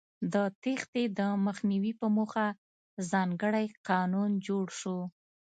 د تېښتې د مخنیوي په موخه ځانګړی قانون جوړ شو.